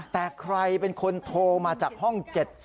แต่ใครเป็นคนโทรมาจากห้อง๗๐